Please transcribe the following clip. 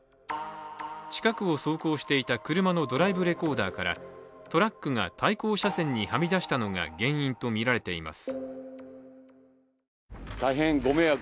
近くを走行していた車のドライブレコーダーからトラックが対向車線にはみ出したのが原因とみられています。